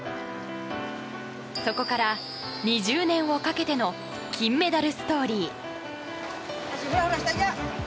そこから２０年をかけての金メダルストーリー。